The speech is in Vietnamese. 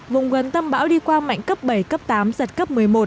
vùng gần tâm bão đi qua mạnh cấp bảy cấp tám giật cấp một mươi một